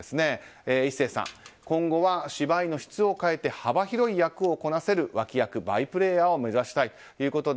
壱成さん今後は芝居の質を変えて幅広い役をこなせる脇役、バイプレーヤーを目指したいと。